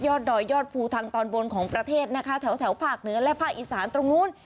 ดอยยอดภูทางตอนบนของประเทศนะคะแถวภาคเหนือและภาคอีสานตรงนู้น